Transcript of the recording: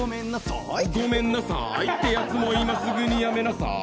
ごめんなさいってやつも今すぐにやめなさぁい。